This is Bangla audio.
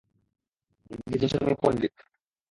যে জিনিসে তুমি পণ্ডিত।